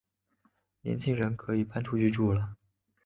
年轻人可以搬出去住了